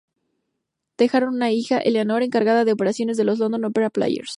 Dejaron una hija, Eleanor, encargada de operaciones de los London Opera Players.